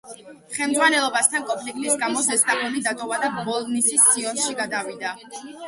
ხელმძღვანელობასთან კონფლიქტის გამო „ზესტაფონი“ დატოვა და ბოლნისის „სიონში“ გადავიდა.